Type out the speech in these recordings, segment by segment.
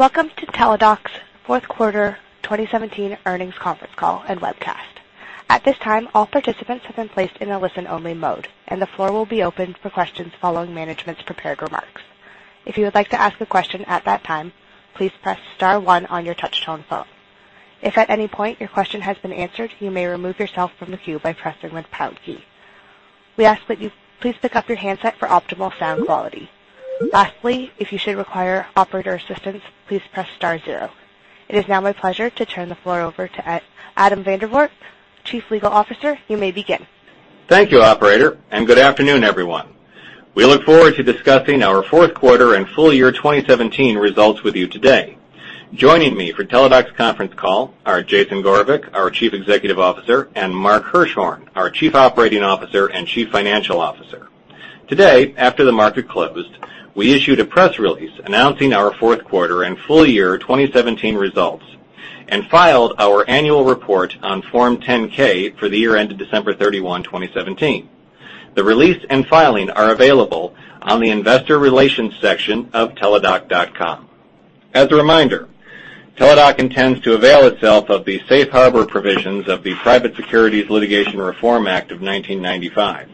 Welcome to Teladoc's fourth quarter 2017 earnings conference call and webcast. At this time, all participants have been placed in a listen-only mode, and the floor will be open for questions following management's prepared remarks. If you would like to ask a question at that time, please press star one on your touch-tone phone. If at any point your question has been answered, you may remove yourself from the queue by pressing the pound key. We ask that you please pick up your handset for optimal sound quality. Lastly, if you should require operator assistance, please press star zero. It is now my pleasure to turn the floor over to Adam Vandervoort, Chief Legal Officer. You may begin. Thank you, operator. Good afternoon, everyone. We look forward to discussing our fourth quarter and full year 2017 results with you today. Joining me for Teladoc's conference call are Jason Gorevic, our Chief Executive Officer, and Mark Hirschhorn, our Chief Operating Officer and Chief Financial Officer. Today, after the market closed, we issued a press release announcing our fourth quarter and full year 2017 results, and filed our annual report on Form 10-K for the year ended December 31, 2017. The release and filing are available on the investor relations section of teladoc.com. As a reminder, Teladoc intends to avail itself of the safe harbor provisions of the Private Securities Litigation Reform Act of 1995.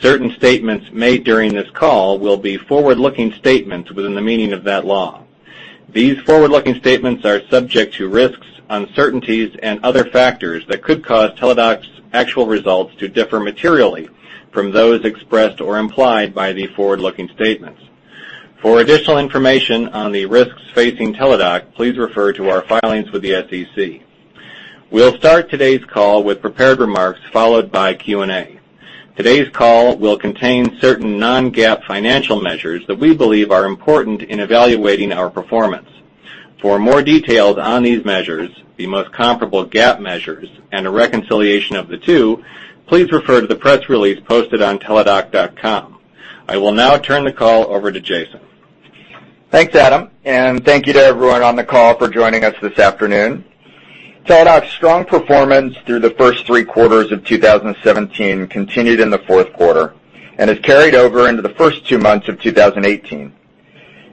Certain statements made during this call will be forward-looking statements within the meaning of that law. These forward-looking statements are subject to risks, uncertainties, and other factors that could cause Teladoc's actual results to differ materially from those expressed or implied by the forward-looking statements. For additional information on the risks facing Teladoc, please refer to our filings with the SEC. We'll start today's call with prepared remarks, followed by Q&A. Today's call will contain certain non-GAAP financial measures that we believe are important in evaluating our performance. For more details on these measures, the most comparable GAAP measures, and a reconciliation of the two, please refer to the press release posted on teladoc.com. I will now turn the call over to Jason. Thanks, Adam. Thank you to everyone on the call for joining us this afternoon. Teladoc's strong performance through the first three quarters of 2017 continued in the fourth quarter and has carried over into the first two months of 2018.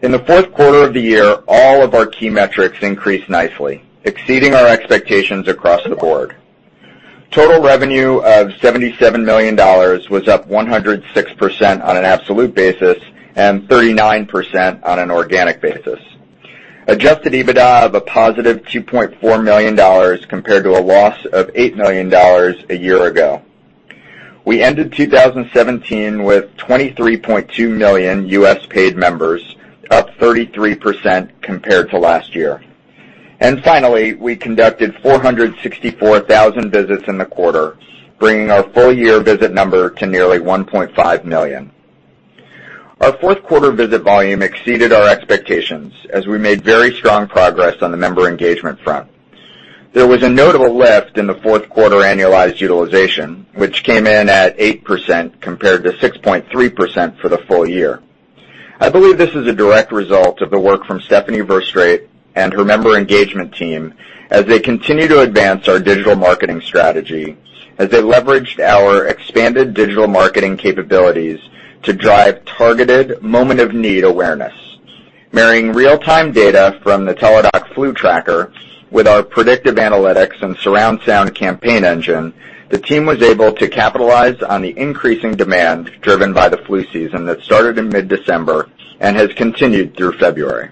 In the fourth quarter of the year, all of our key metrics increased nicely, exceeding our expectations across the board. Total revenue of $77 million was up 106% on an absolute basis, and 39% on an organic basis. Adjusted EBITDA of a positive $2.4 million compared to a loss of $8 million a year ago. We ended 2017 with 23.2 million U.S. paid members, up 33% compared to last year. Finally, we conducted 464,000 visits in the quarter, bringing our full year visit number to nearly 1.5 million. Our fourth quarter visit volume exceeded our expectations as we made very strong progress on the member engagement front. There was a notable lift in the fourth quarter annualized utilization, which came in at 8% compared to 6.3% for the full year. I believe this is a direct result of the work from Stephany Verstraete and her member engagement team as they continue to advance our digital marketing strategy, as they leveraged our expanded digital marketing capabilities to drive targeted moment-of-need awareness. Marrying real-time data from the Teladoc Flu Tracker with our predictive analytics and surround sound campaign engine, the team was able to capitalize on the increasing demand driven by the flu season that started in mid-December and has continued through February.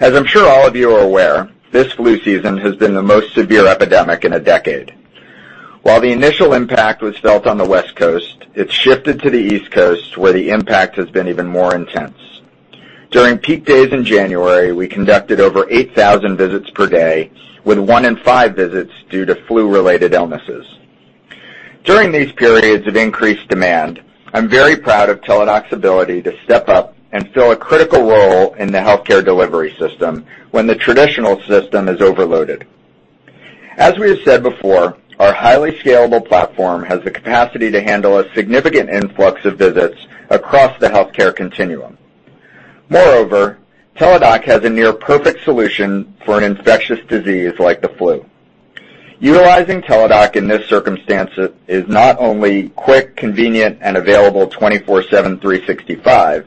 As I'm sure all of you are aware, this flu season has been the most severe epidemic in a decade. While the initial impact was felt on the West Coast, it shifted to the East Coast, where the impact has been even more intense. During peak days in January, we conducted over 8,000 visits per day, with one in five visits due to flu-related illnesses. During these periods of increased demand, I'm very proud of Teladoc's ability to step up and fill a critical role in the healthcare delivery system when the traditional system is overloaded. As we have said before, our highly scalable platform has the capacity to handle a significant influx of visits across the healthcare continuum. Moreover, Teladoc has a near-perfect solution for an infectious disease like the flu. Utilizing Teladoc in this circumstance is not only quick, convenient, and available 24/7, 365,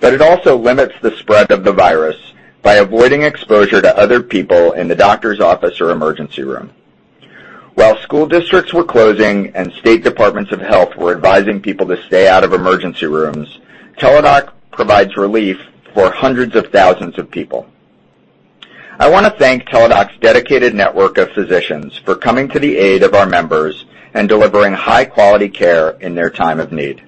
but it also limits the spread of the virus by avoiding exposure to other people in the doctor's office or emergency room. While school districts were closing and state departments of health were advising people to stay out of emergency rooms, Teladoc provides relief for hundreds of thousands of people. I want to thank Teladoc's dedicated network of physicians for coming to the aid of our members and delivering high-quality care in their time of need.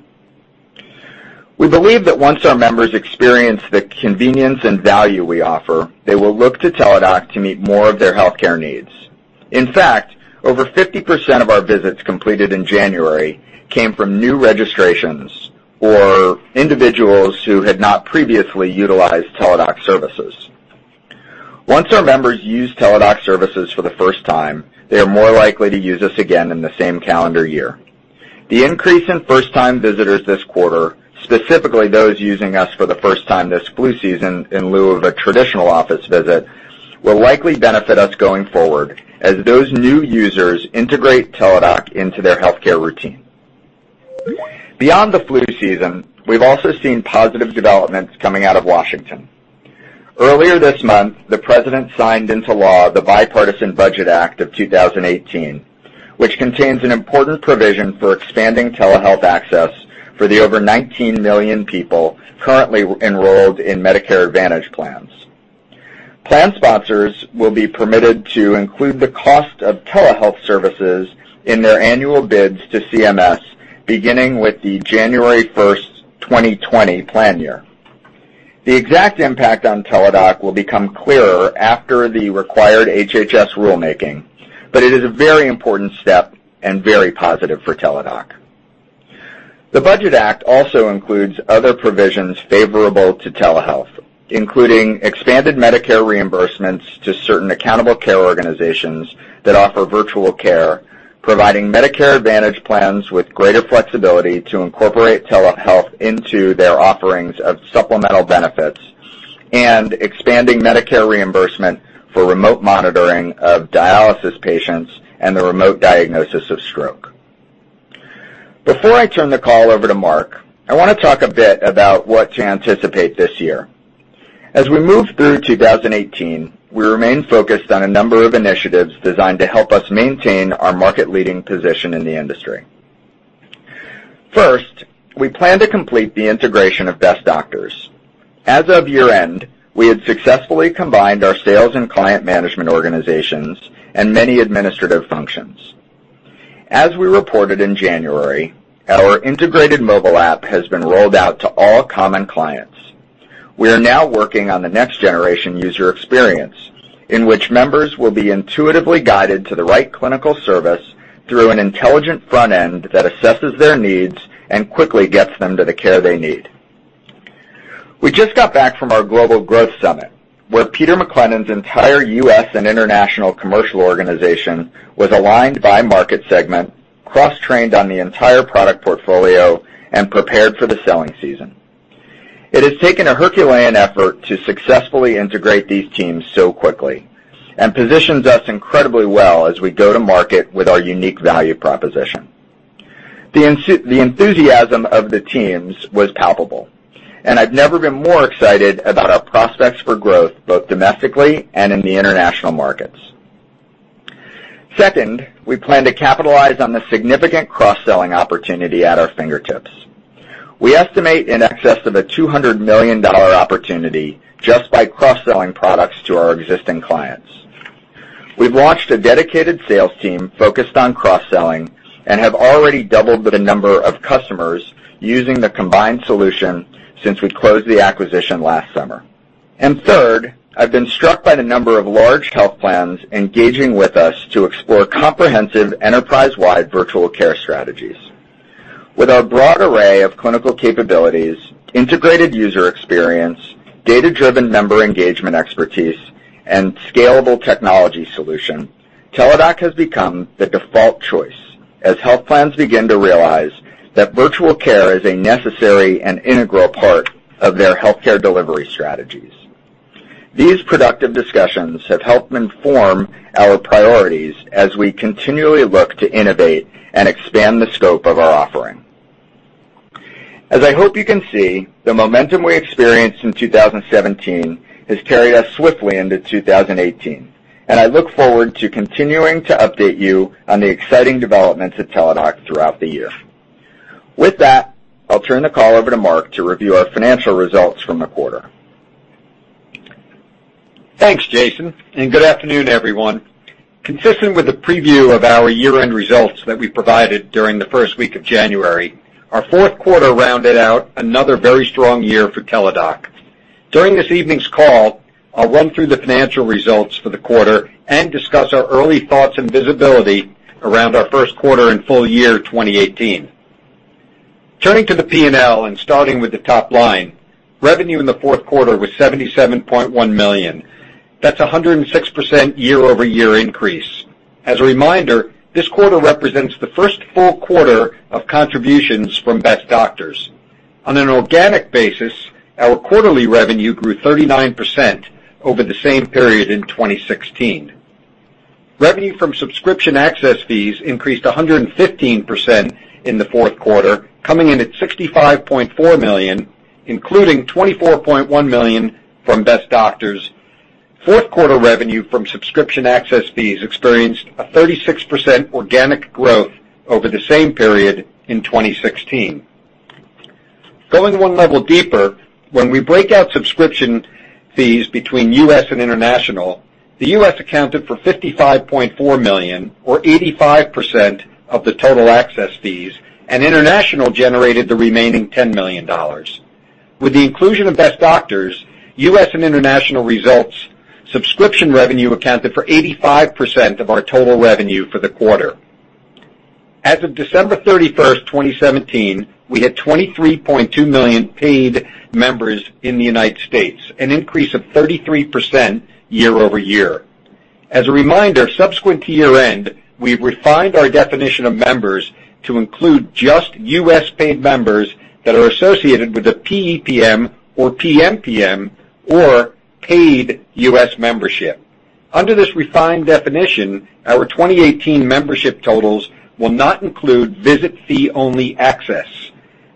We believe that once our members experience the convenience and value we offer, they will look to Teladoc to meet more of their healthcare needs. In fact, over 50% of our visits completed in January came from new registrations or individuals who had not previously utilized Teladoc services. Once our members use Teladoc services for the first time, they are more likely to use us again in the same calendar year. The increase in first-time visitors this quarter, specifically those using us for the first time this flu season in lieu of a traditional office visit, will likely benefit us going forward as those new users integrate Teladoc into their healthcare routine. Beyond the flu season, we've also seen positive developments coming out of Washington. Earlier this month, the President signed into law the Bipartisan Budget Act of 2018, which contains an important provision for expanding telehealth access for the over 19 million people currently enrolled in Medicare Advantage plans. Plan sponsors will be permitted to include the cost of telehealth services in their annual bids to CMS, beginning with the January 1st, 2020 plan year. The exact impact on Teladoc will become clearer after the required HHS rulemaking, but it is a very important step and very positive for Teladoc. The Budget Act also includes other provisions favorable to telehealth, including expanded Medicare reimbursements to certain accountable care organizations that offer virtual care, providing Medicare Advantage plans with greater flexibility to incorporate telehealth into their offerings of supplemental benefits, and expanding Medicare reimbursement for remote monitoring of dialysis patients and the remote diagnosis of stroke. Before I turn the call over to Mark, I want to talk a bit about what to anticipate this year. As we move through 2018, we remain focused on a number of initiatives designed to help us maintain our market-leading position in the industry. First, we plan to complete the integration of Best Doctors. As of year-end, we had successfully combined our sales and client management organizations and many administrative functions. As we reported in January, our integrated mobile app has been rolled out to all common clients. We are now working on the next generation user experience, in which members will be intuitively guided to the right clinical service through an intelligent front end that assesses their needs and quickly gets them to the care they need. We just got back from our global growth summit, where Peter McClennen's entire U.S. and international commercial organization was aligned by market segment, cross-trained on the entire product portfolio, and prepared for the selling season. It has taken a Herculean effort to successfully integrate these teams so quickly and positions us incredibly well as we go to market with our unique value proposition. The enthusiasm of the teams was palpable. I've never been more excited about our prospects for growth, both domestically and in the international markets. Second, we plan to capitalize on the significant cross-selling opportunity at our fingertips. We estimate in excess of a $200 million opportunity just by cross-selling products to our existing clients. We've launched a dedicated sales team focused on cross-selling and have already doubled the number of customers using the combined solution since we closed the acquisition last summer. Third, I've been struck by the number of large health plans engaging with us to explore comprehensive, enterprise-wide virtual care strategies. With our broad array of clinical capabilities, integrated user experience, data-driven member engagement expertise, and scalable technology solution, Teladoc has become the default choice as health plans begin to realize that virtual care is a necessary and integral part of their healthcare delivery strategies. These productive discussions have helped inform our priorities as we continually look to innovate and expand the scope of our offering. As I hope you can see, the momentum we experienced in 2017 has carried us swiftly into 2018. I look forward to continuing to update you on the exciting developments at Teladoc throughout the year. With that, I'll turn the call over to Mark to review our financial results from the quarter. Thanks, Jason, and good afternoon, everyone. Consistent with the preview of our year-end results that we provided during the first week of January, our fourth quarter rounded out another very strong year for Teladoc. During this evening's call, I'll run through the financial results for the quarter and discuss our early thoughts and visibility around our first quarter and full year 2018. Turning to the P&L and starting with the top line, revenue in the fourth quarter was $77.1 million. That's a 106% year-over-year increase. As a reminder, this quarter represents the first full quarter of contributions from Best Doctors. On an organic basis, our quarterly revenue grew 39% over the same period in 2016. Revenue from subscription access fees increased 115% in the fourth quarter, coming in at $65.4 million, including $24.1 million from Best Doctors. Fourth quarter revenue from subscription access fees experienced a 36% organic growth over the same period in 2016. Going 1 level deeper, when we break out subscription fees between U.S. and international, the U.S. accounted for $55.4 million, or 85% of the total access fees, and international generated the remaining $10 million. With the inclusion of Best Doctors, U.S. and international results, subscription revenue accounted for 85% of our total revenue for the quarter. As of December 31st, 2017, we had 23.2 million paid members in the United States, an increase of 33% year-over-year. As a reminder, subsequent to year-end, we've refined our definition of members to include just U.S. paid members that are associated with a PEPM or PMPM or paid U.S. membership. Under this refined definition, our 2018 membership totals will not include visit fee-only access.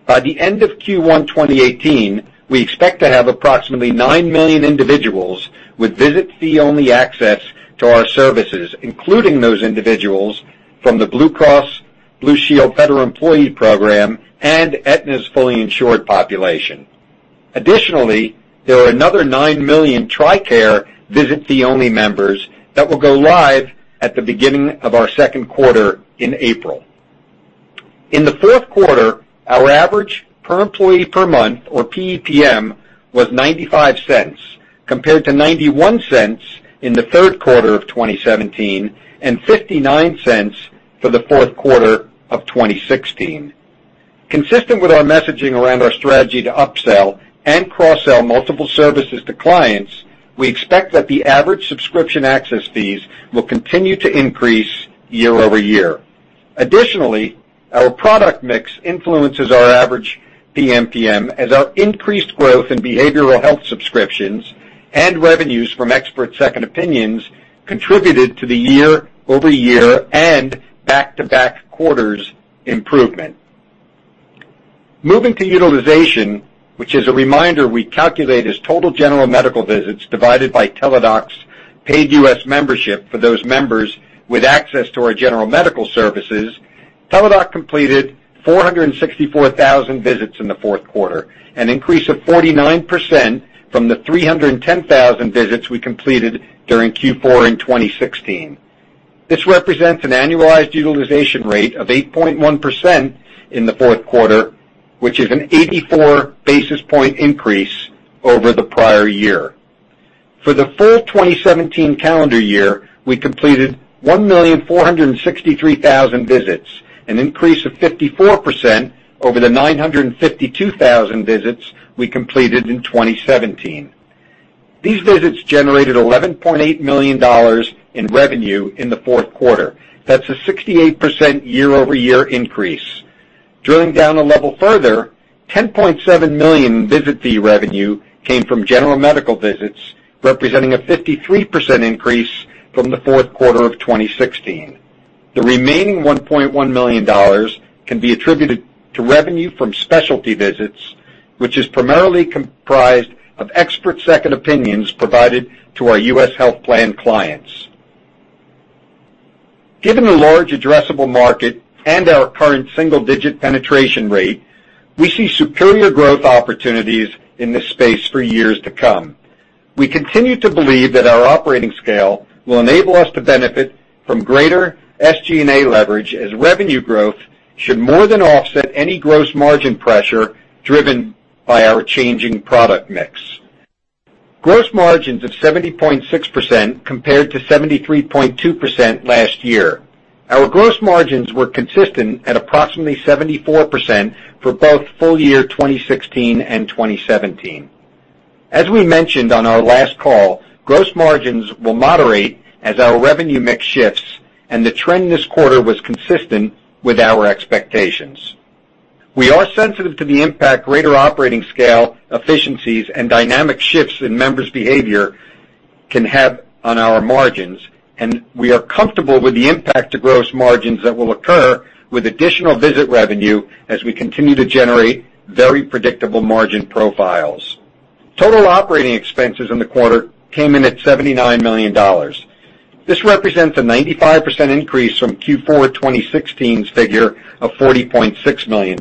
By the end of Q1 2018, we expect to have approximately 9 million individuals with visit fee-only access to our services, including those individuals from the Blue Cross Blue Shield Federal Employee Program and Aetna's fully insured population. Additionally, there are another 9 million TRICARE visit fee-only members that will go live at the beginning of our second quarter in April. In the fourth quarter, our average per employee per month, or PEPM, was $0.95, compared to $0.91 in the third quarter of 2017, and $0.59 for the fourth quarter of 2016. Consistent with our messaging around our strategy to upsell and cross-sell multiple services to clients, we expect that the average subscription access fees will continue to increase year-over-year. Additionally, our product mix influences our average PMPM as our increased growth in behavioral health subscriptions and revenues from expert second opinions contributed to the year-over-year and back-to-back quarters improvement. Moving to utilization, which as a reminder, we calculate as total general medical visits divided by Teladoc's paid U.S. membership for those members with access to our general medical services. Teladoc completed 464,000 visits in the fourth quarter, an increase of 49% from the 310,000 visits we completed during Q4 in 2016. This represents an annualized utilization rate of 8.1% in the fourth quarter, which is an 84 basis point increase over the prior year. For the full 2017 calendar year, we completed 1,463,000 visits, an increase of 54% over the 952,000 visits we completed in 2016. These visits generated $11.8 million in revenue in the fourth quarter. That's a 68% year-over-year increase. Drilling down a level further, $10.7 million visit fee revenue came from general medical visits, representing a 53% increase from the fourth quarter of 2016. The remaining $1.1 million can be attributed to revenue from specialty visits, which is primarily comprised of expert second opinions provided to our U.S. health plan clients. Given the large addressable market and our current single-digit penetration rate, we see superior growth opportunities in this space for years to come. We continue to believe that our operating scale will enable us to benefit from greater SG&A leverage, as revenue growth should more than offset any gross margin pressure driven by our changing product mix. Gross margins of 70.6% compared to 73.2% last year. Our gross margins were consistent at approximately 74% for both full year 2016 and 2017. As we mentioned on our last call, gross margins will moderate as our revenue mix shifts and the trend this quarter was consistent with our expectations. We are sensitive to the impact greater operating scale efficiencies and dynamic shifts in members' behavior can have on our margins, and we are comfortable with the impact to gross margins that will occur with additional visit revenue as we continue to generate very predictable margin profiles. Total operating expenses in the quarter came in at $79 million. This represents a 95% increase from Q4 2016's figure of $40.6 million.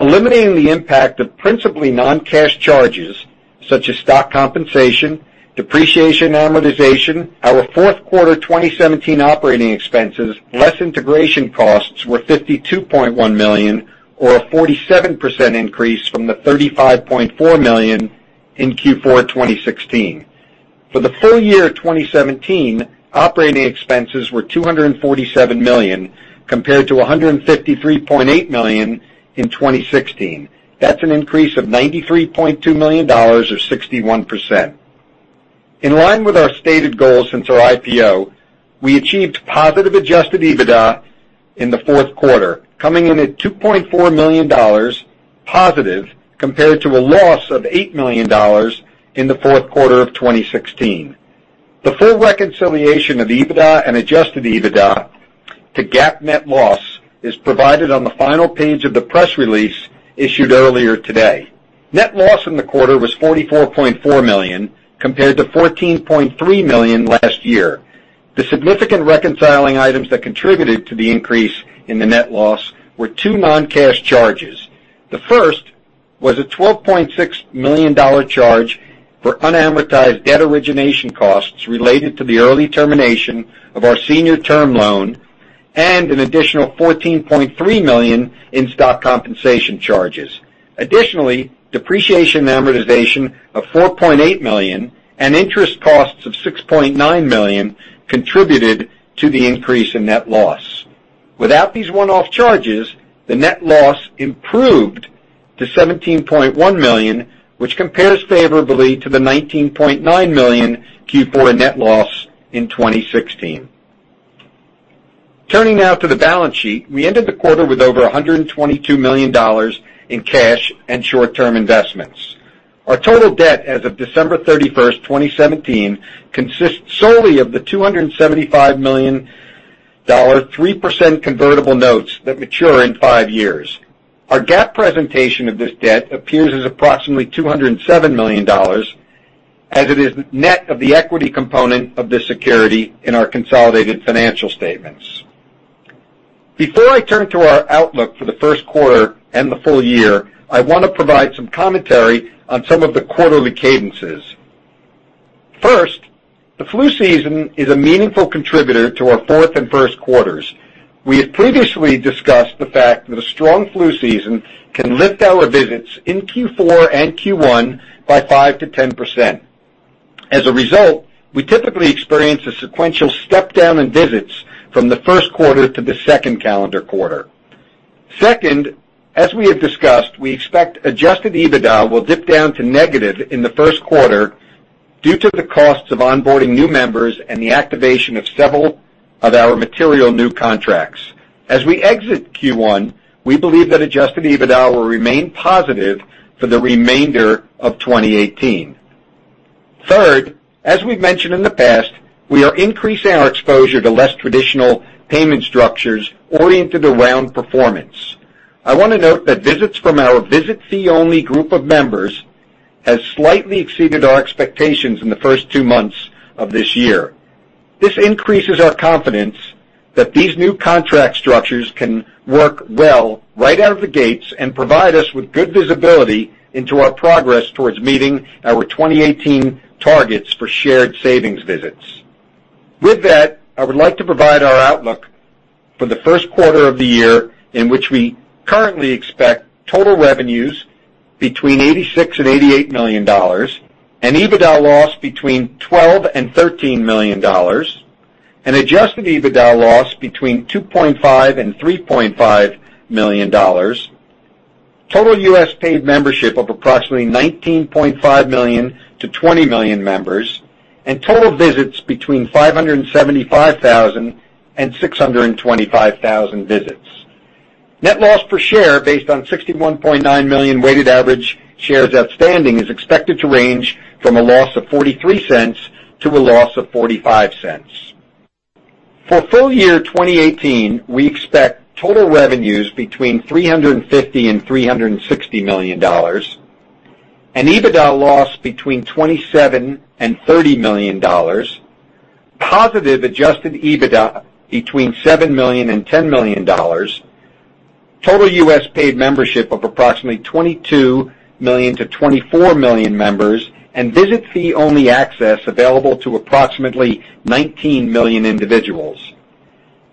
Eliminating the impact of principally non-cash charges such as stock compensation, depreciation, and amortization, our fourth quarter 2017 operating expenses less integration costs were $52.1 million, or a 47% increase from the $35.4 million in Q4 2016. For the full year 2017, operating expenses were $247 million, compared to $153.8 million in 2016. That's an increase of $93.2 million or 61%. In line with our stated goals since our IPO, we achieved positive adjusted EBITDA in the fourth quarter, coming in at $2.4 million positive compared to a loss of $8 million in the fourth quarter of 2016. The full reconciliation of the EBITDA and adjusted EBITDA to GAAP net loss is provided on the final page of the press release issued earlier today. Net loss in the quarter was $44.4 million, compared to $14.3 million last year. The significant reconciling items that contributed to the increase in the net loss were two non-cash charges. The first was a $12.6 million charge for unamortized debt origination costs related to the early termination of our senior term loan and an additional $14.3 million in stock compensation charges. Additionally, depreciation and amortization of $4.8 million and interest costs of $6.9 million contributed to the increase in net loss. Without these one-off charges, the net loss improved to $17.1 million, which compares favorably to the $19.9 million Q4 net loss in 2016. Turning now to the balance sheet. We ended the quarter with over $122 million in cash and short-term investments. Our total debt as of December 31st, 2017, consists solely of the $275 million 3% convertible notes that mature in five years. Our GAAP presentation of this debt appears as approximately $207 million as it is net of the equity component of this security in our consolidated financial statements. Before I turn to our outlook for the first quarter and the full year, I want to provide some commentary on some of the quarterly cadences. First, the flu season is a meaningful contributor to our fourth and first quarters. We have previously discussed the fact that a strong flu season can lift our visits in Q4 and Q1 by 5%-10%. As a result, we typically experience a sequential step down in visits from the first quarter to the second calendar quarter. Second, as we have discussed, we expect adjusted EBITDA will dip down to negative in the first quarter due to the costs of onboarding new members and the activation of several of our material new contracts. As we exit Q1, we believe that adjusted EBITDA will remain positive for the remainder of 2018. Third, as we've mentioned in the past, we are increasing our exposure to less traditional payment structures oriented around performance. I want to note that visits from our visit fee-only group of members has slightly exceeded our expectations in the first two months of this year. This increases our confidence that these new contract structures can work well right out of the gates and provide us with good visibility into our progress towards meeting our 2018 targets for shared savings visits. With that, I would like to provide our outlook for the first quarter of the year, in which we currently expect total revenues between $86 million and $88 million, an EBITDA loss between $12 million and $13 million, an adjusted EBITDA loss between $2.5 million and $3.5 million, total U.S. paid membership of approximately 19.5 million-20 million members, and total visits between 575,000 and 625,000 visits. Net loss per share based on 61.9 million weighted average shares outstanding is expected to range from a loss of $0.43 to a loss of $0.45. For full year 2018, we expect total revenues between $350 million and $360 million, an EBITDA loss between $27 million and $30 million, positive adjusted EBITDA between $7 million and $10 million, total U.S. paid membership of approximately 22 million-24 million members, and visit fee-only access available to approximately 19 million individuals.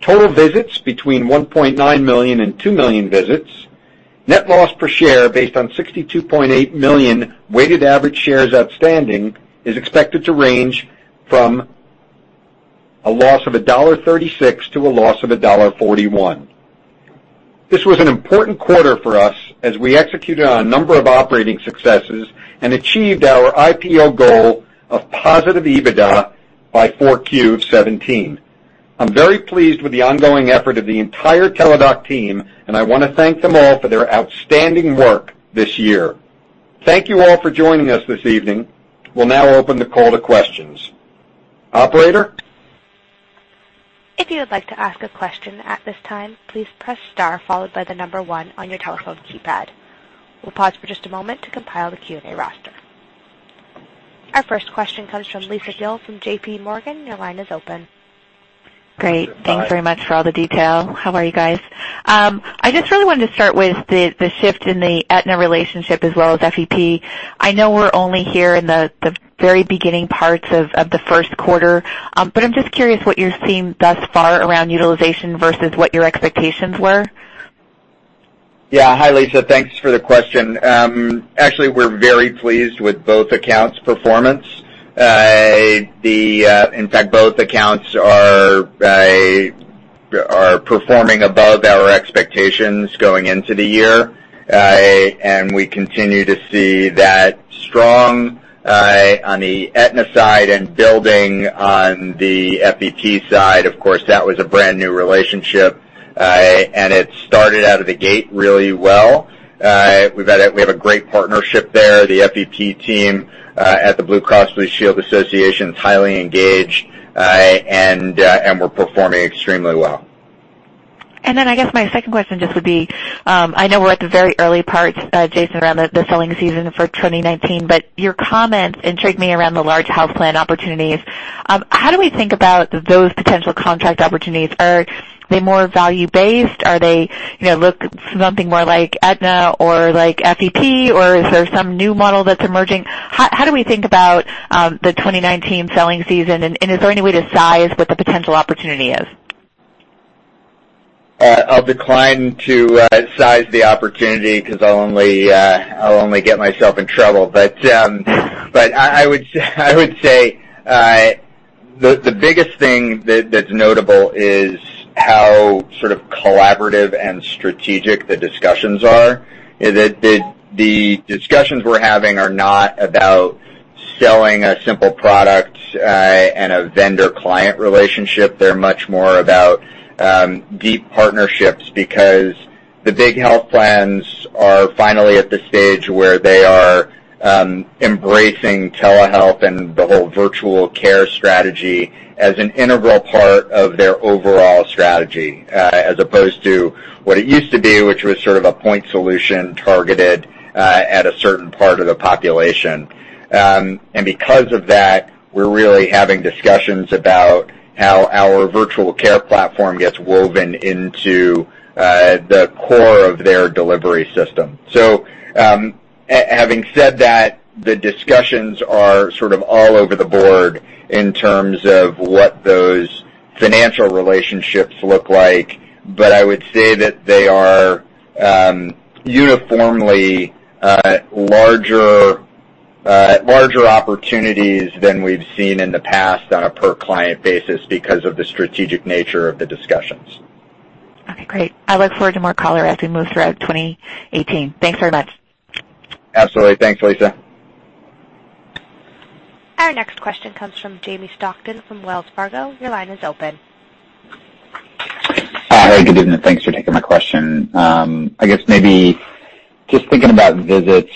Total visits between 1.9 million-2 million visits. Net loss per share based on 62.8 million weighted average shares outstanding is expected to range from a loss of $1.36-$1.41. This was an important quarter for us as we executed on a number of operating successes and achieved our IPO goal of positive EBITDA by 4Q of 2017. I'm very pleased with the ongoing effort of the entire Teladoc team. I want to thank them all for their outstanding work this year. Thank you all for joining us this evening. We'll now open the call to questions. Operator? If you would like to ask a question at this time, please press star followed by the number one on your telephone keypad. We'll pause for just a moment to compile the Q&A roster. Our first question comes from Lisa Gill from J.P. Morgan. Your line is open. Great. Lisa, hi. Thanks very much for all the detail. How are you guys? I just really wanted to start with the shift in the Aetna relationship as well as FEP. I know we're only here in the very beginning parts of the first quarter. I'm just curious what you're seeing thus far around utilization versus what your expectations were. Yeah. Hi, Lisa. Thanks for the question. Actually, we're very pleased with both accounts' performance. In fact, both accounts are performing above our expectations going into the year. We continue to see that strong on the Aetna side and building on the FEP side. Of course, that was a brand-new relationship. It started out of the gate really well. We have a great partnership there. The FEP team at the Blue Cross Blue Shield Association is highly engaged, and we're performing extremely well. I guess my second question just would be, I know we're at the very early parts, Jason, around the selling season for 2019, but your comments intrigued me around the large health plan opportunities. How do we think about those potential contract opportunities? Are they more value based? Do they look something more like Aetna or like FEP, or is there some new model that's emerging? How do we think about the 2019 selling season, and is there any way to size what the potential opportunity is? I'll decline to size the opportunity because I'll only get myself in trouble. I would say the biggest thing that's notable is how sort of collaborative and strategic the discussions are. The discussions we're having are not about selling a simple product and a vendor-client relationship, they're much more about deep partnerships because the big health plans are finally at the stage where they are embracing telehealth and the whole virtual care strategy as an integral part of their overall strategy, as opposed to what it used to be, which was sort of a point solution targeted at a certain part of the population. Because of that, we're really having discussions about how our virtual care platform gets woven into the core of their delivery system. Having said that, the discussions are sort of all over the board in terms of what those financial relationships look like, but I would say that they are uniformly larger opportunities than we've seen in the past on a per-client basis because of the strategic nature of the discussions. Okay, great. I look forward to more color as we move throughout 2018. Thanks very much. Absolutely. Thanks, Lisa. Our next question comes from Jamie Stockton from Wells Fargo. Your line is open. Hi, good evening. Thanks for taking my question. I guess maybe just thinking about visits,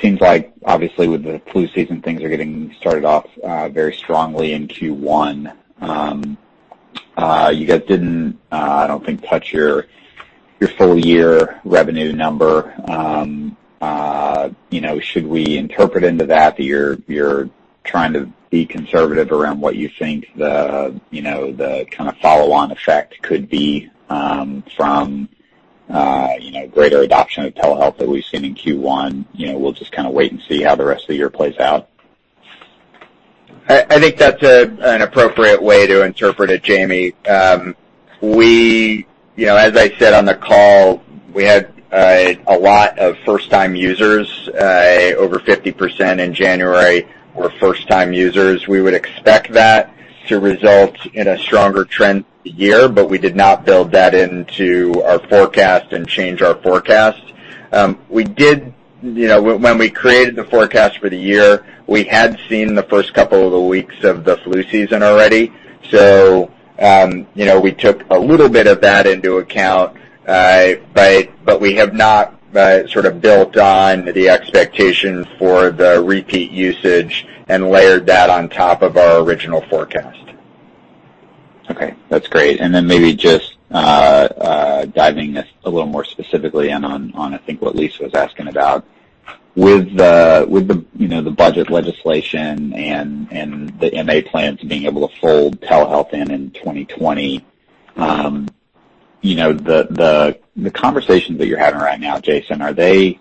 seems like obviously with the flu season, things are getting started off very strongly in Q1. You guys didn't, I don't think, touch your full year revenue number. Should we interpret into that you're trying to be conservative around what you think the kind of follow-on effect could be from greater adoption of telehealth that we've seen in Q1? We'll just kind of wait and see how the rest of the year plays out. I think that's an appropriate way to interpret it, Jamie. As I said on the call, we had a lot of first-time users. Over 50% in January were first-time users. We would expect that to result in a stronger trend year, but we did not build that into our forecast and change our forecast. When we created the forecast for the year, we had seen the first couple of the weeks of the flu season already. We took a little bit of that into account. We have not sort of built on the expectation for the repeat usage and layered that on top of our original forecast. Okay, that's great. Maybe just diving this a little more specifically in on, I think, what Lisa was asking about. With the budget legislation and the MA plans being able to fold telehealth in in 2020, the conversations that you're having right now, Jason, are they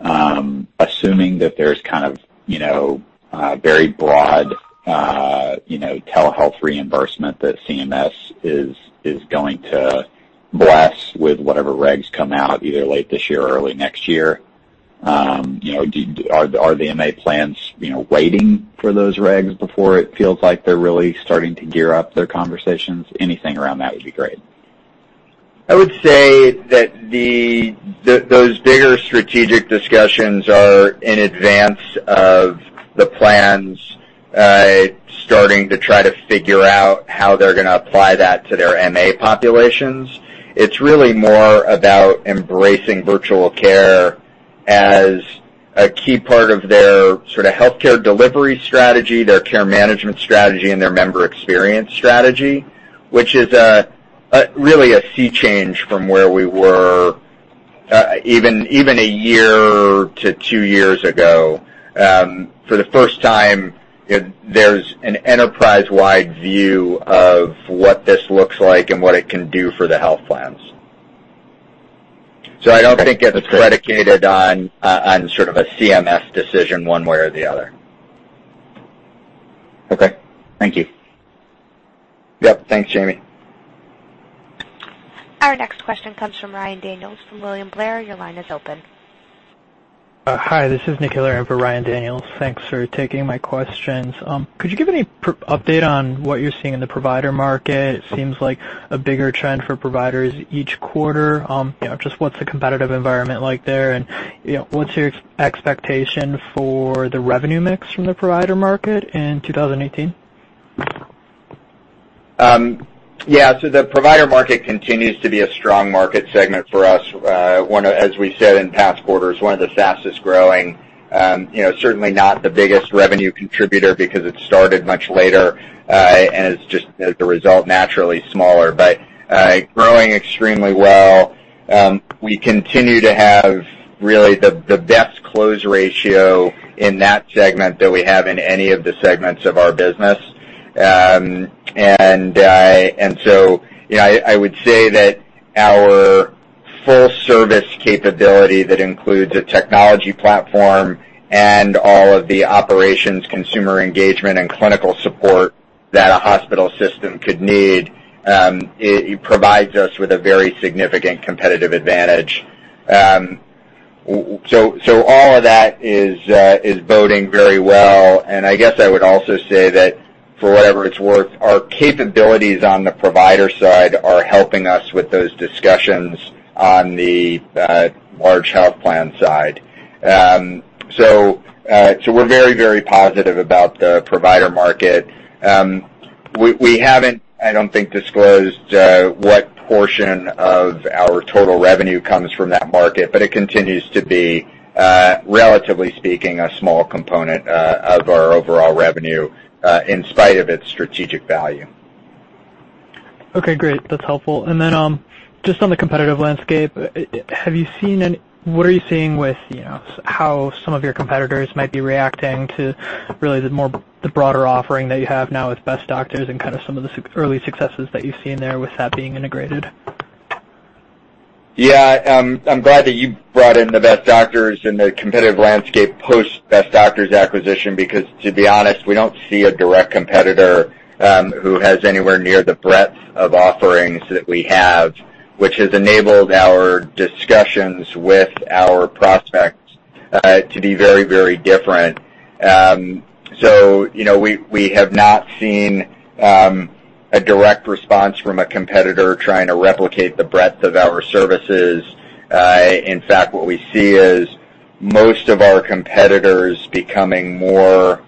assuming that there's kind of a very broad telehealth reimbursement that CMS is going to bless with whatever regs come out either late this year or early next year? Are the MA plans waiting for those regs before it feels like they're really starting to gear up their conversations? Anything around that would be great. I would say that those bigger strategic discussions are in advance of the plans starting to try to figure out how they're gonna apply that to their MA populations. It's really more about embracing virtual care as a key part of their sort of healthcare delivery strategy, their care management strategy, and their member experience strategy, which is really a sea change from where we were even a year to two years ago. For the first time, there's an enterprise-wide view of what this looks like and what it can do for the health plans. I don't think it's predicated on sort of a CMS decision one way or the other. Okay, thank you. Yep. Thanks, Jamie. Our next question comes from Ryan Daniels from William Blair. Your line is open. Hi, this is Nick Hiller in for Ryan Daniels. Thanks for taking my questions. Could you give any update on what you're seeing in the provider market? Seems like a bigger trend for providers each quarter. Just what's the competitive environment like there, and what's your expectation for the revenue mix from the provider market in 2018? The provider market continues to be a strong market segment for us. As we said in past quarters, one of the fastest-growing. Certainly not the biggest revenue contributor because it started much later, and it's just, as a result, naturally smaller, but growing extremely well. We continue to have really the best close ratio in that segment than we have in any of the segments of our business. I would say that our full-service capability that includes a technology platform and all of the operations, consumer engagement, and clinical support that a hospital system could need, it provides us with a very significant competitive advantage. All of that is boding very well, and I guess I would also say that For whatever it's worth, our capabilities on the provider side are helping us with those discussions on the large health plan side. We're very positive about the provider market. We haven't, I don't think, disclosed what portion of our total revenue comes from that market, but it continues to be, relatively speaking, a small component of our overall revenue, in spite of its strategic value. Okay, great. That's helpful. Just on the competitive landscape, what are you seeing with how some of your competitors might be reacting to really the broader offering that you have now with Best Doctors and kind of some of the early successes that you've seen there with that being integrated? Yeah. I'm glad that you brought in the Best Doctors and the competitive landscape post Best Doctors acquisition because to be honest, we don't see a direct competitor who has anywhere near the breadth of offerings that we have, which has enabled our discussions with our prospects to be very different. We have not seen a direct response from a competitor trying to replicate the breadth of our services. In fact, what we see is most of our competitors becoming more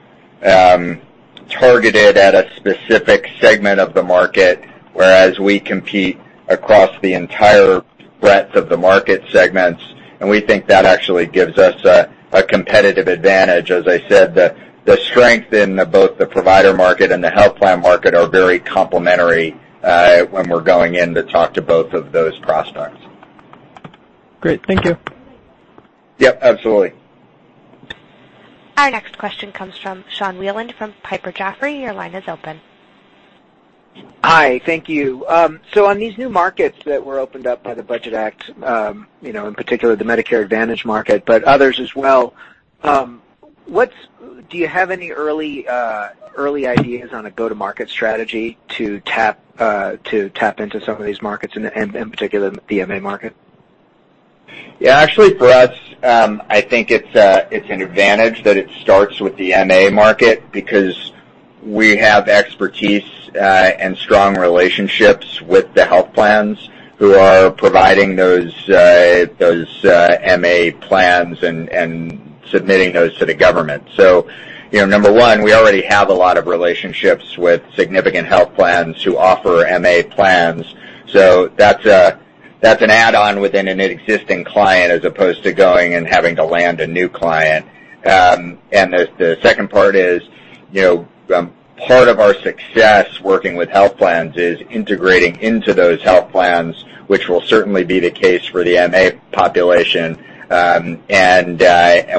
targeted at a specific segment of the market, whereas we compete across the entire breadth of the market segments, and we think that actually gives us a competitive advantage. As I said, the strength in both the provider market and the health plan market are very complementary when we're going in to talk to both of those prospects. Great. Thank you. Yep, absolutely. Our next question comes from Sean Wieland from Piper Jaffray. Your line is open. Hi. Thank you. On these new markets that were opened up by the Budget Act, in particular the Medicare Advantage market, but others as well, do you have any early ideas on a go-to-market strategy to tap into some of these markets, in particular the MA market? Actually, for us, I think it's an advantage that it starts with the MA market because we have expertise and strong relationships with the health plans who are providing those MA plans and submitting those to the government. Number one, we already have a lot of relationships with significant health plans who offer MA plans. That's an add-on within an existing client, as opposed to going and having to land a new client. The second part is, part of our success working with health plans is integrating into those health plans, which will certainly be the case for the MA population, and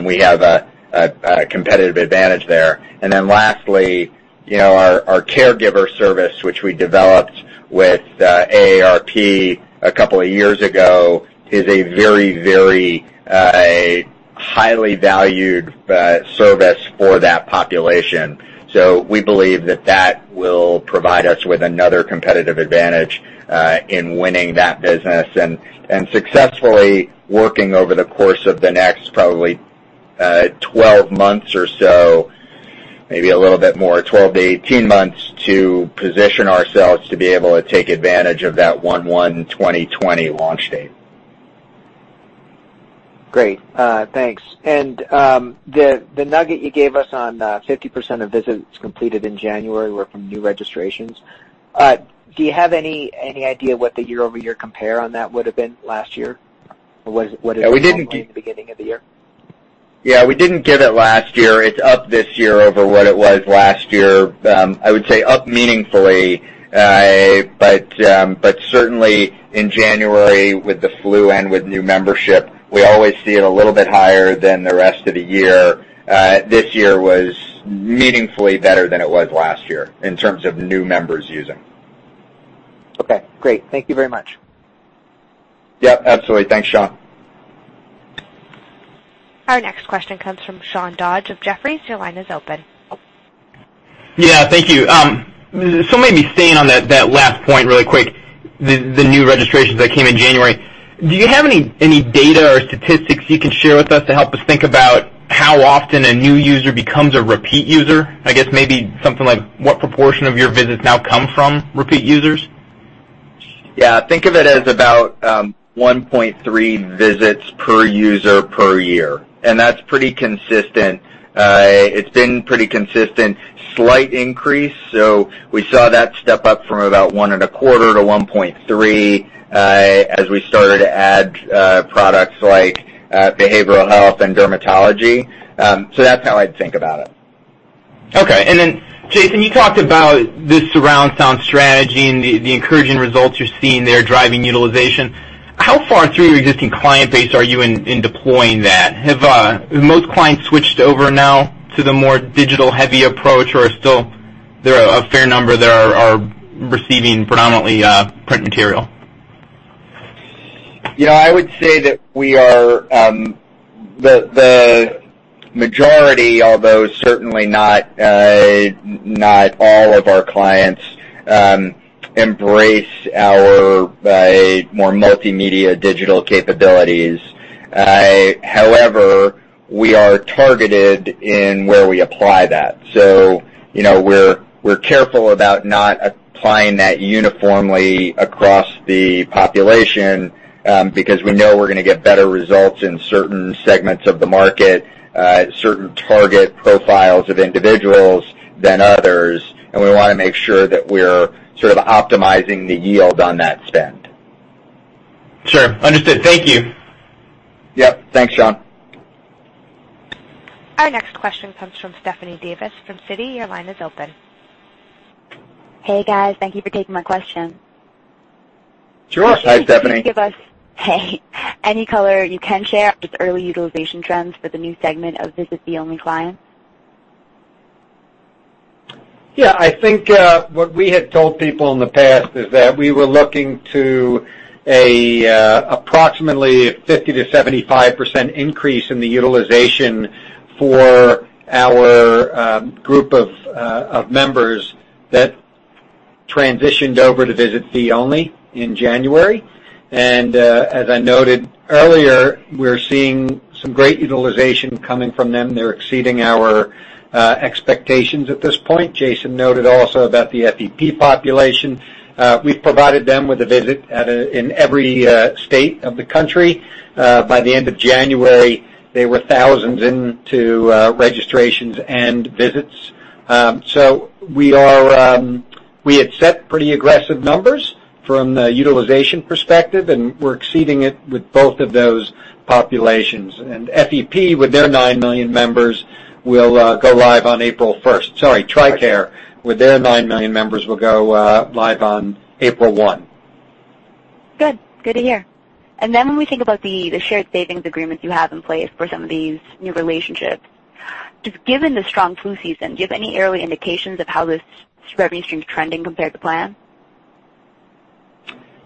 we have a competitive advantage there. Lastly, our caregiver service, which we developed with AARP a couple of years ago, is a very highly valued service for that population. We believe that that will provide us with another competitive advantage in winning that business and successfully working over the course of the next probably 12 months or so, maybe a little bit more, 12 to 18 months, to position ourselves to be able to take advantage of that 1/1/2020 launch date. Great. Thanks. The nugget you gave us on 50% of visits completed in January were from new registrations. Do you have any idea what the year-over-year compare on that would've been last year? Or what it would have- Yeah, we didn't give- been in the beginning of the year? Yeah, we didn't give it last year. It's up this year over what it was last year. I would say up meaningfully. Certainly in January with the flu and with new membership, we always see it a little bit higher than the rest of the year. This year was meaningfully better than it was last year in terms of new members using. Okay, great. Thank you very much. Yep, absolutely. Thanks, Sean. Our next question comes from Sean Dodge of Jefferies. Your line is open. Yeah, thank you. Maybe staying on that last point really quick, the new registrations that came in January, do you have any data or statistics you can share with us to help us think about how often a new user becomes a repeat user? I guess maybe something like what proportion of your visits now come from repeat users? Think of it as about 1.3 visits per user per year. That's pretty consistent. It's been pretty consistent. Slight increase. We saw that step up from about 1.25 to 1.3 as we started to add products like behavioral health and dermatology. That's how I'd think about it. Okay. Jason, you talked about this surround sound strategy and the encouraging results you're seeing there driving utilization. How far through your existing client base are you in deploying that? Have most clients switched over now to the more digital-heavy approach, or still there are a fair number that are receiving predominantly print material? I would say that the majority, although certainly not all of our clients, embrace our more multimedia digital capabilities. However, we are targeted in where we apply that. We're careful about not applying that uniformly across the population, because we know we're going to get better results in certain segments of the market, certain target profiles of individuals than others. We want to make sure that we're sort of optimizing the yield on that spend. Sure. Understood. Thank you. Yep. Thanks, Sean. Our next question comes from Stephanie Davis from Citi. Your line is open. Hey, guys. Thank you for taking my question. Sure. Hi, Stephanie. Hey. Any color you can share with early utilization trends for the new segment of visit fee-only clients? Yeah, I think what we had told people in the past is that we were looking to approximately 50%-75% increase in the utilization for our group of members that transitioned over to visit fee-only in January. As I noted earlier, we're seeing some great utilization coming from them. They're exceeding our expectations at this point. Jason noted also about the FEP population. We've provided them with a visit in every state of the country. By the end of January, they were thousands into registrations and visits. We had set pretty aggressive numbers from the utilization perspective, and we're exceeding it with both of those populations. FEP, with their 9 million members, will go live on April 1. Sorry, TRICARE, with their 9 million members, will go live on April 1. Good. Good to hear. When we think about the shared savings agreements you have in place for some of these new relationships, just given the strong flu season, do you have any early indications of how this revenue stream is trending compared to plan?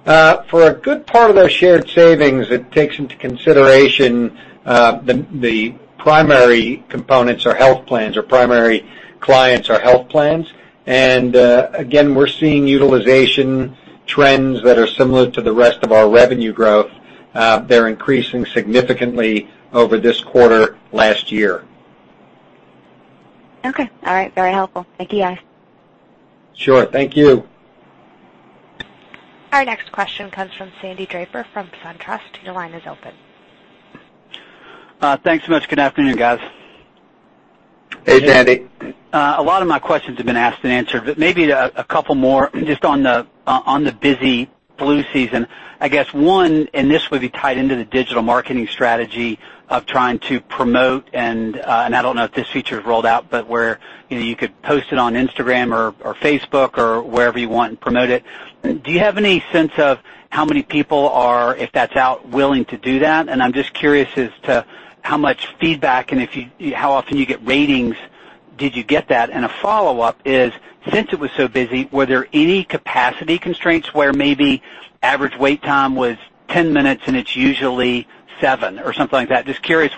For a good part of those shared savings, it takes into consideration the primary components or health plans or primary clients or health plans. Again, we're seeing utilization trends that are similar to the rest of our revenue growth. They're increasing significantly over this quarter last year. Okay. All right. Very helpful. Thank you, guys. Sure. Thank you. Our next question comes from Sandy Draper from SunTrust. Your line is open. Thanks so much. Good afternoon, guys. Hey, Sandy. A lot of my questions have been asked and answered. Maybe a couple more just on the busy flu season. I guess one. This would be tied into the digital marketing strategy of trying to promote. I don't know if this feature's rolled out, where you could post it on Instagram or Facebook or wherever you want and promote it. Do you have any sense of how many people are, if that's out, willing to do that? I'm just curious as to how much feedback and how often you get ratings. Did you get that? A follow-up is, since it was so busy, were there any capacity constraints where maybe average wait time was 10 minutes and it's usually seven or something like that? Just curious,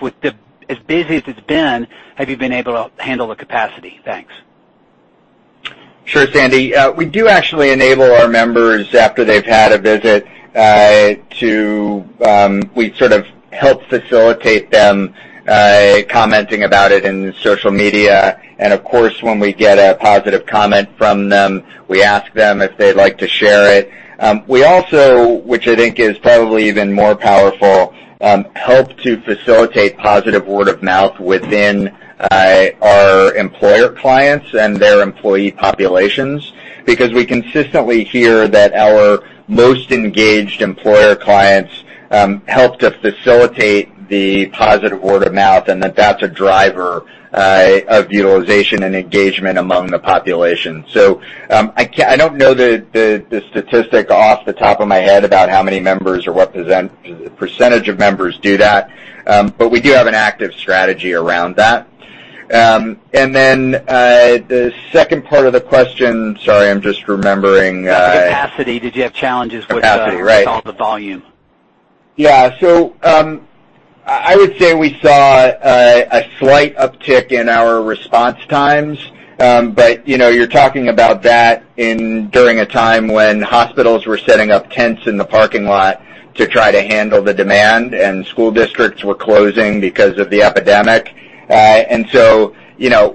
as busy as it's been, have you been able to handle the capacity? Thanks. Sure, Sandy. We do actually enable our members after they've had a visit, we sort of help facilitate them commenting about it in social media. Of course, when we get a positive comment from them, we ask them if they'd like to share it. We also, which I think is probably even more powerful, help to facilitate positive word of mouth within our employer clients and their employee populations, because we consistently hear that our most engaged employer clients help to facilitate the positive word of mouth, and that that's a driver of utilization and engagement among the population. I don't know the statistic off the top of my head about how many members or what percentage of members do that. We do have an active strategy around that. The second part of the question, sorry, I'm just remembering. Capacity, did you have challenges with. Capacity, right all the volume? Yeah. I would say we saw a slight uptick in our response times. You're talking about that during a time when hospitals were setting up tents in the parking lot to try to handle the demand, and school districts were closing because of the epidemic.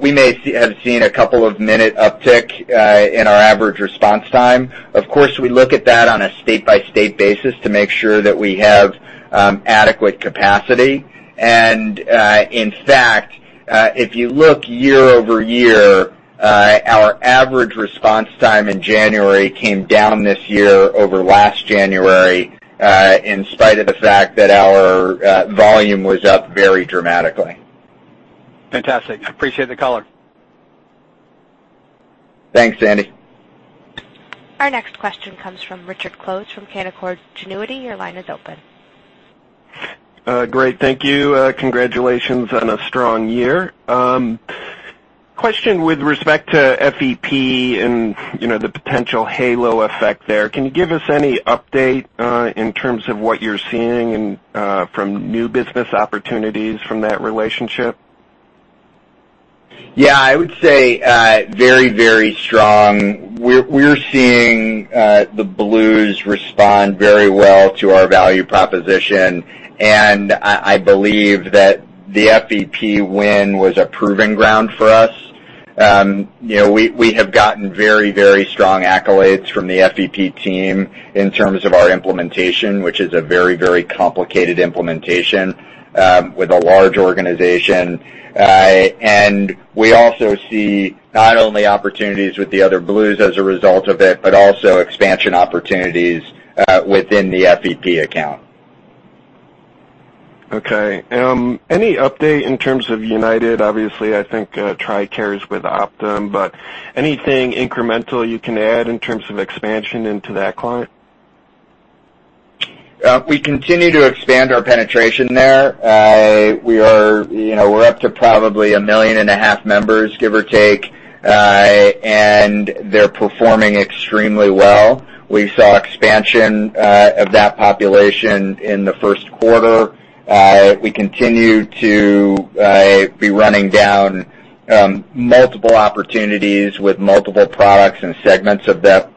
We may have seen a couple of minute uptick in our average response time. Of course, we look at that on a state-by-state basis to make sure that we have adequate capacity. In fact, if you look year-over-year, our average response time in January came down this year over last January, in spite of the fact that our volume was up very dramatically. Fantastic. Appreciate the color. Thanks, Sandy. Our next question comes from Richard Close from Canaccord Genuity. Your line is open. Great. Thank you. Congratulations on a strong year. Question with respect to FEP and the potential halo effect there. Can you give us any update in terms of what you're seeing from new business opportunities from that relationship? Yeah, I would say very strong. We're seeing the Blues respond very well to our value proposition, and I believe that the FEP win was a proving ground for us. We have gotten very strong accolades from the FEP team in terms of our implementation, which is a very complicated implementation with a large organization. We also see not only opportunities with the other Blues as a result of it, but also expansion opportunities within the FEP account. Okay. Any update in terms of United? Obviously, I think TRICARE is with Optum, but anything incremental you can add in terms of expansion into that client? We continue to expand our penetration there. We're up to probably a million and a half members, give or take, and they're performing extremely well. We saw expansion of that population in the first quarter. We continue to be running down multiple opportunities with multiple products and segments of their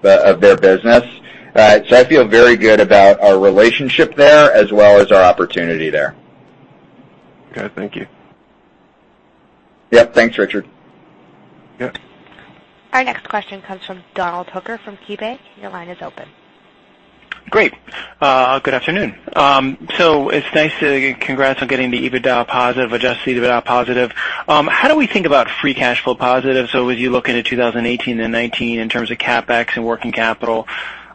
business. I feel very good about our relationship there, as well as our opportunity there. Okay, thank you. Yep. Thanks, Richard. Yep. Our next question comes from Donald Hooker from KeyBanc. Your line is open. Great. Good afternoon. It's nice to congrats on getting the EBITDA positive, adjusted EBITDA positive. How do we think about free cash flow positive? As you look into 2018 and 2019 in terms of CapEx and working capital,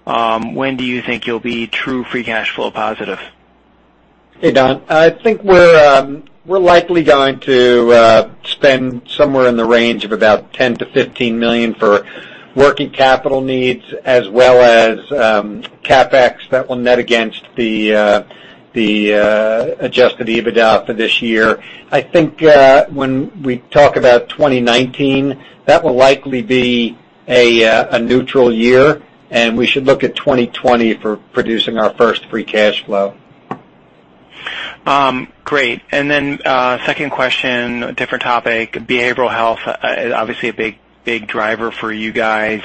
when do you think you'll be true free cash flow positive? Hey, Don. I think we're likely going to spend somewhere in the range of about $10 million-$15 million for working capital needs as well as CapEx that will net against the adjusted EBITDA for this year. I think when we talk about 2019, that will likely be a neutral year, and we should look at 2020 for producing our first free cash flow. Great. Then, second question, different topic. Behavioral health, obviously a big driver for you guys.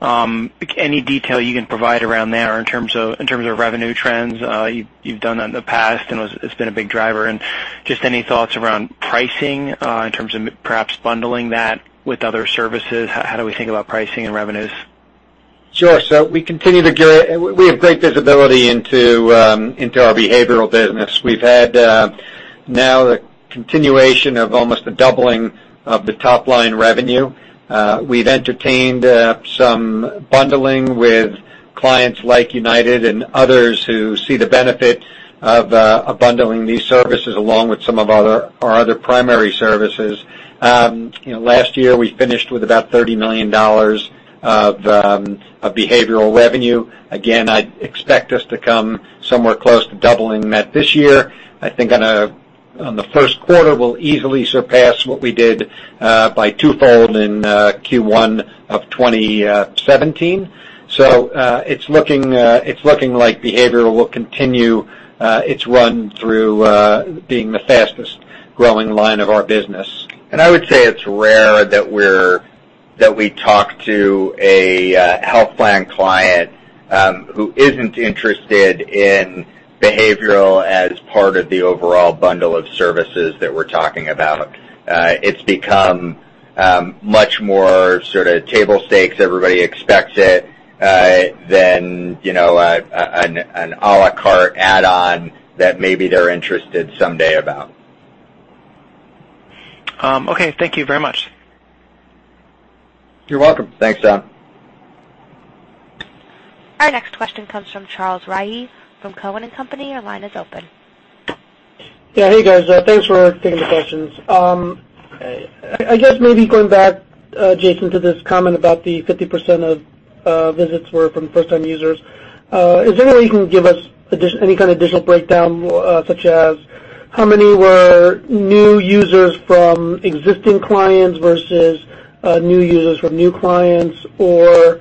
Any detail you can provide around there in terms of revenue trends? You've done that in the past, and it's been a big driver. Just any thoughts around pricing in terms of perhaps bundling that with other services. How do we think about pricing and revenues? We have great visibility into our behavioral business. We've had now the continuation of almost the doubling of the top-line revenue. We've entertained some bundling with clients like United and others who see the benefit of bundling these services along with some of our other primary services. Last year, we finished with about $30 million of behavioral revenue. Again, I'd expect us to come somewhere close to doubling that this year. I think on the first quarter, we'll easily surpass what we did by twofold in Q1 of 2017. It's looking like behavioral will continue its run through being the fastest-growing line of our business. I would say it's rare that we talk to a health plan client who isn't interested in behavioral as part of the overall bundle of services that we're talking about. It's become much more sort of table stakes. Everybody expects it than an à la carte add-on that maybe they're interested someday about. Okay, thank you very much. You're welcome. Thanks, Don. Our next question comes from Charles Rhyee from Cowen and Company. Your line is open. Yeah. Hey, guys. Thanks for taking the questions. I guess maybe going back, Jason, to this comment about the 50% of visits were from first-time users. Is there any way you can give us any kind of additional breakdown, such as how many were new users from existing clients versus new users from new clients, or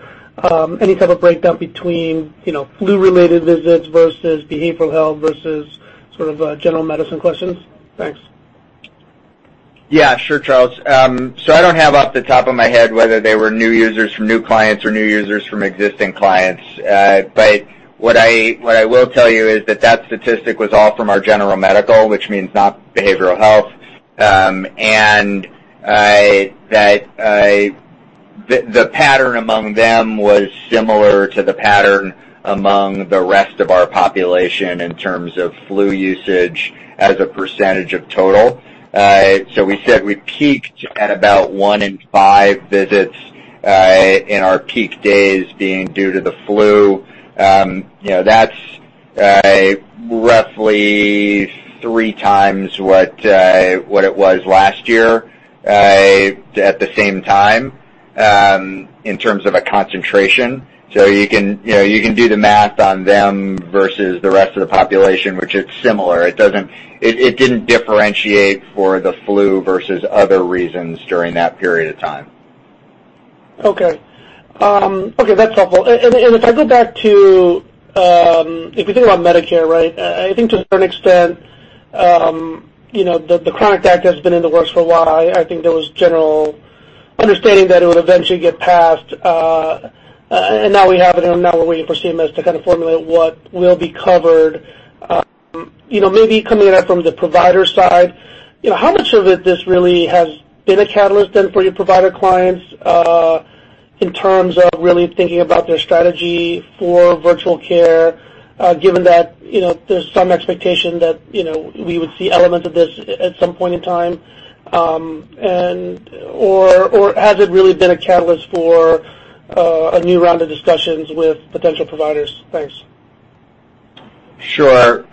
any type of breakdown between flu-related visits versus behavioral health versus sort of general medicine questions? Thanks. Yeah. Sure, Charles. I don't have off the top of my head whether they were new users from new clients or new users from existing clients. What I will tell you is that statistic was all from our general medical, which means not behavioral health. That the pattern among them was similar to the pattern among the rest of our population in terms of flu usage as a percentage of total. We said we peaked at about one in five visits in our peak days being due to the flu. That's roughly three times what it was last year at the same time in terms of a concentration. You can do the math on them versus the rest of the population, which is similar. It didn't differentiate for the flu versus other reasons during that period of time. Okay. That's helpful. If I go back to, if we think about Medicare, I think to a certain extent, the Chronic Act has been in the works for a while. I think there was general understanding that it would eventually get passed, and now we have it, and now we're waiting for CMS to formulate what will be covered. Maybe coming at it from the provider side, how much of it this really has been a catalyst then for your provider clients, in terms of really thinking about their strategy for virtual care, given that there's some expectation that we would see elements of this at some point in time, or has it really been a catalyst for a new round of discussions with potential providers? Thanks. Sure.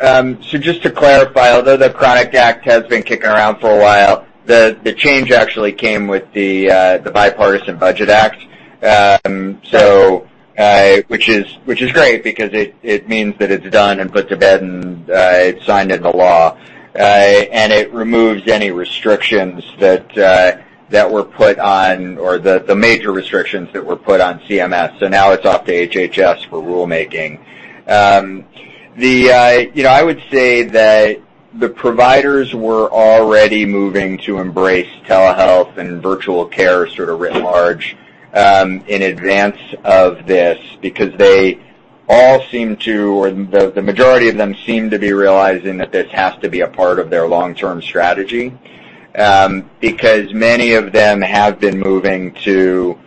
Just to clarify, although the Chronic Act has been kicking around for a while, the change actually came with the Bipartisan Budget Act, which is great because it means that it's done and put to bed and signed into law. It removes any restrictions that were put on, or the major restrictions that were put on CMS. Now it's off to HHS for rulemaking. I would say that the providers were already moving to embrace telehealth and virtual care sort of writ large, in advance of this because they all seem to, or the majority of them seem to be realizing that this has to be a part of their long-term strategy, because many of them have been moving to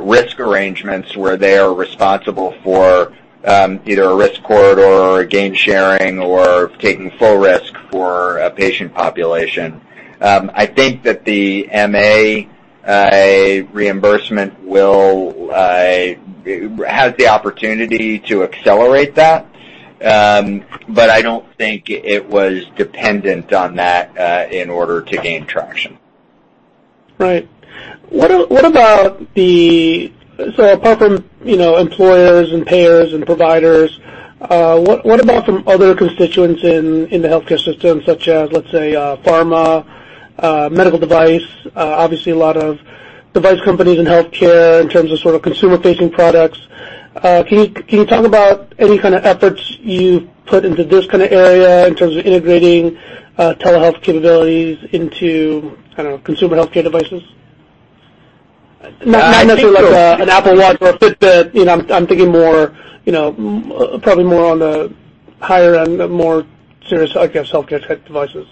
risk arrangements where they are responsible for either a risk corridor or gain-sharing or taking full risk for a patient population. I think that the MA reimbursement has the opportunity to accelerate that, but I don't think it was dependent on that, in order to gain traction. Right. Apart from employers and payers and providers, what about from other constituents in the healthcare system, such as, let's say, pharma, medical device, obviously a lot of device companies in healthcare in terms of sort of consumer-facing products. Can you talk about any kind of efforts you've put into this kind of area in terms of integrating telehealth capabilities into consumer healthcare devices? Not necessarily like an Apple Watch or a Fitbit, I'm thinking probably more on the higher end, more serious, I guess, healthcare type devices.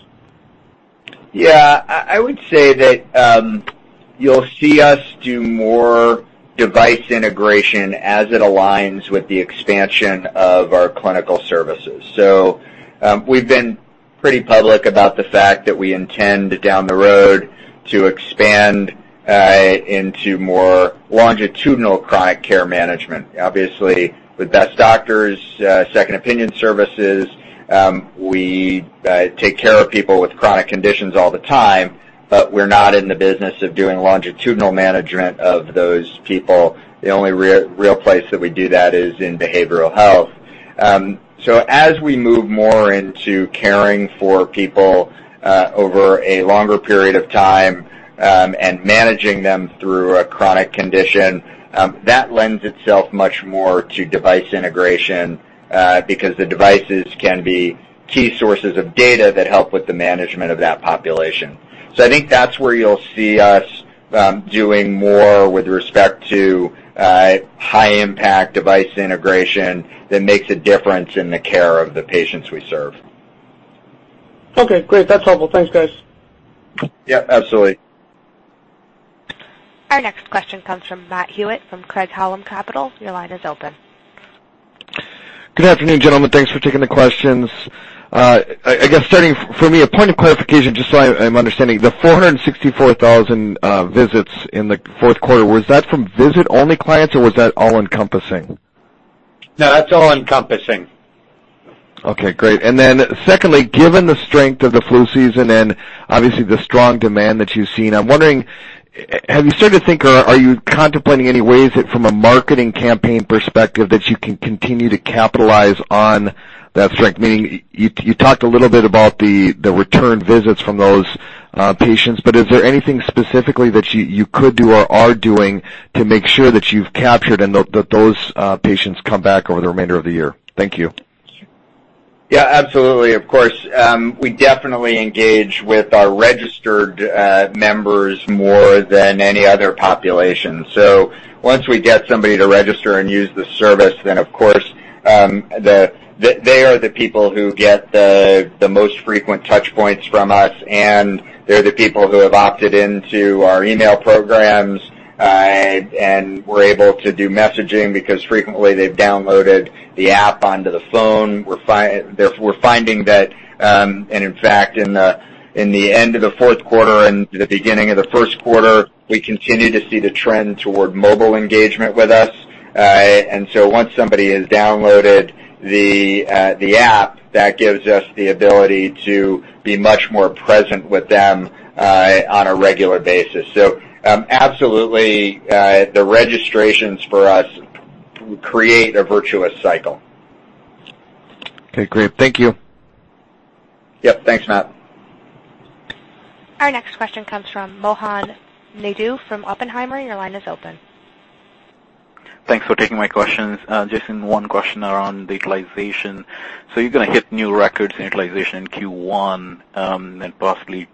Yeah. I would say that you'll see us do more device integration as it aligns with the expansion of our clinical services. We've been pretty public about the fact that we intend down the road to expand into more longitudinal chronic care management. Obviously, with Best Doctors, second opinion services, we take care of people with chronic conditions all the time, but we're not in the business of doing longitudinal management of those people. The only real place that we do that is in behavioral health. As we move more into caring for people, over a longer period of time, and managing them through a chronic condition, that lends itself much more to device integration, because the devices can be key sources of data that help with the management of that population. I think that's where you'll see us doing more with respect to high-impact device integration that makes a difference in the care of the patients we serve. Okay, great. That's helpful. Thanks, guys. Yeah, absolutely. Our next question comes from Matt Hewett from Craig-Hallum Capital. Your line is open. Good afternoon, gentlemen. Thanks for taking the questions. I guess starting for me, a point of clarification, just so I'm understanding. The 464,000 visits in the fourth quarter, was that from visit-only clients, or was that all-encompassing? No, that's all-encompassing. Okay, great. Secondly, given the strength of the flu season and obviously the strong demand that you've seen, I'm wondering, have you started to think or are you contemplating any ways that from a marketing campaign perspective, that you can continue to capitalize on that strength? Meaning, you talked a little bit about the return visits from those patients, but is there anything specifically that you could do or are doing to make sure that you've captured and that those patients come back over the remainder of the year? Thank you. Absolutely. Of course. We definitely engage with our registered members more than any other population. Once we get somebody to register and use the service, of course, they are the people who get the most frequent touch points from us, they're the people who have opted into our email programs, we're able to do messaging because frequently they've downloaded the app onto the phone. We're finding that, in fact, in the end of the fourth quarter and the beginning of the first quarter, we continue to see the trend toward mobile engagement with us. Once somebody has downloaded the app, that gives us the ability to be much more present with them on a regular basis. Absolutely, the registrations for us create a virtuous cycle. Great. Thank you. Yep. Thanks, Matt. Our next question comes from Mohan Naidu from Oppenheimer. Your line is open. Thanks for taking my questions. Jason, one question around utilization. You're going to hit new records in utilization in Q1, and possibly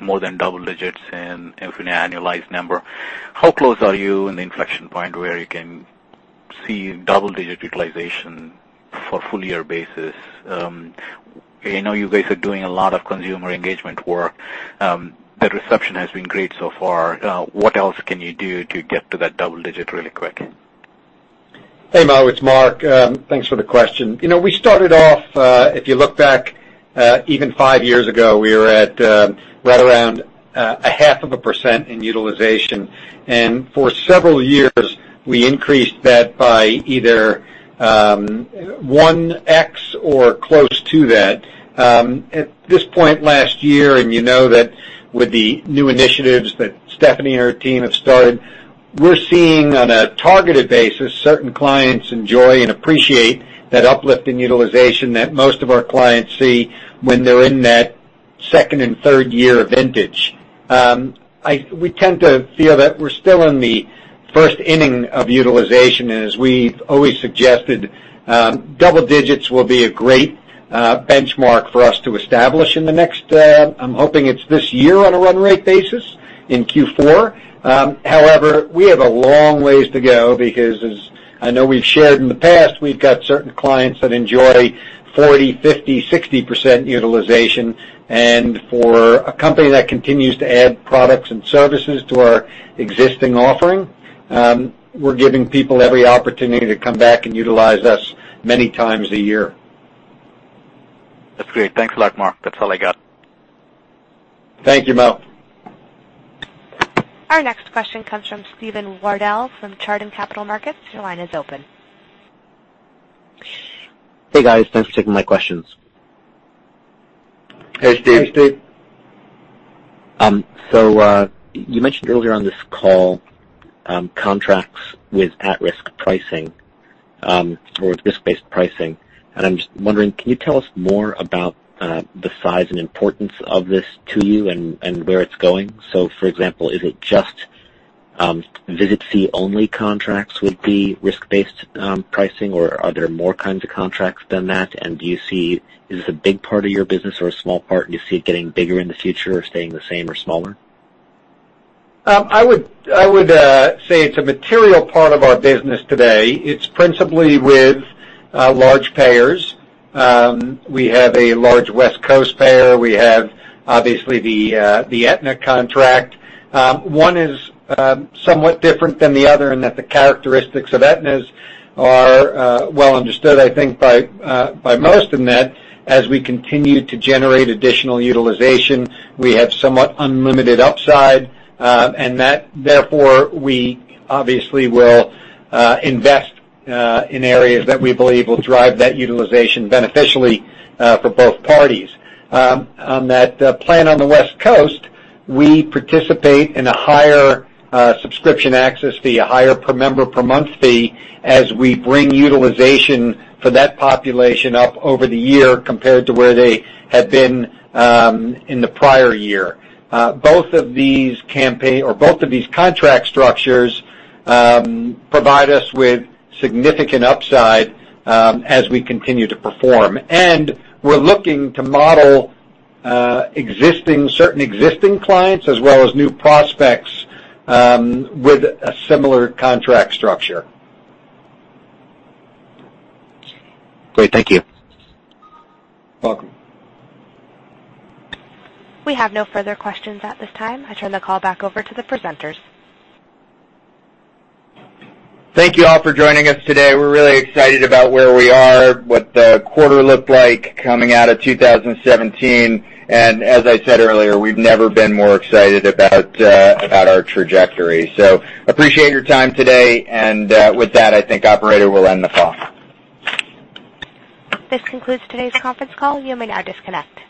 more than double digits in an annualized number. How close are you in the inflection point where you can see double-digit utilization for full year basis? I know you guys are doing a lot of consumer engagement work. The reception has been great so far. What else can you do to get to that double digit really quick? Hey, Mo, it's Mark. Thanks for the question. We started off, if you look back, even five years ago, we were at right around a half of a percent in utilization. For several years, we increased that by either 1X or close to that. At this point last year, you know that with the new initiatives that Stephanie and her team have started, we're seeing on a targeted basis, certain clients enjoy and appreciate that uplift in utilization that most of our clients see when they're in that second and third year vintage. We tend to feel that we're still in the first inning of utilization, as we've always suggested, double digits will be a great benchmark for us to establish in the next, I'm hoping it's this year on a run rate basis in Q4. We have a long ways to go because as I know we've shared in the past, we've got certain clients that enjoy 40%, 50%, 60% utilization. For a company that continues to add products and services to our existing offering, we're giving people every opportunity to come back and utilize us many times a year. That's great. Thanks a lot, Mark. That's all I got. Thank you, Mo. Our next question comes from Steven Wardell from Chardan Capital Markets. Your line is open. Hey, guys. Thanks for taking my questions. Hey, Steve. Hey, Steve. You mentioned earlier on this call, contracts with at-risk pricing, or with risk-based pricing. I'm just wondering, can you tell us more about the size and importance of this to you and where it's going? For example, is it just visit fee only contracts would be risk-based pricing, or are there more kinds of contracts than that, and do you see this as a big part of your business or a small part? Do you see it getting bigger in the future or staying the same or smaller? I would say it's a material part of our business today. It's principally with large payers. We have a large West Coast payer. We have, obviously, the Aetna contract. One is somewhat different than the other in that the characteristics of Aetna's are well understood, I think, by most in that as we continue to generate additional utilization. We have somewhat unlimited upside, and therefore, we obviously will invest in areas that we believe will drive that utilization beneficially for both parties. On that plan on the West Coast, we participate in a higher subscription access fee, a higher per member per month fee, as we bring utilization for that population up over the year compared to where they had been in the prior year. Both of these contract structures provide us with significant upside as we continue to perform. We're looking to model certain existing clients as well as new prospects with a similar contract structure. Great. Thank you. Welcome. We have no further questions at this time. I turn the call back over to the presenters. Thank you all for joining us today. We're really excited about where we are, what the quarter looked like coming out of 2017, and as I said earlier, we've never been more excited about our trajectory. Appreciate your time today, and with that, I think operator, we'll end the call. This concludes today's conference call. You may now disconnect.